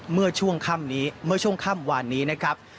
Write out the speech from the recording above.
เมื่อช่วงค่ำวานนี้นะครับ